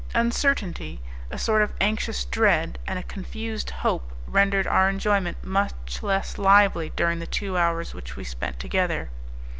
Uncertainty, a sort of anxious dread, and a confused hope, rendered our enjoyment much less lively during the two hours which we spent together.